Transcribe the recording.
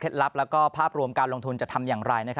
ลับและภาพรวมการลงทุนจะทำอย่างไร